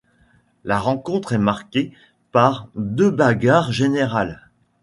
La rencontre est marquée par deux bagarres générales.